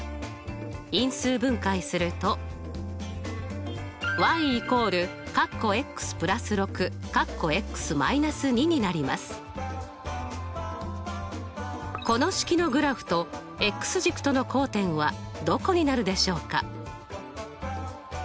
因数分解するとこの式のグラフと軸との交点はどこになるでしょうか？